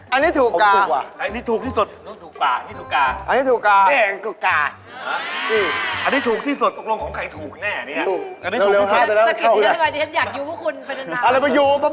อันนี้ถูกก่อน